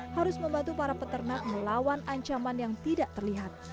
harus membantu para peternak melawan ancaman yang tidak terlihat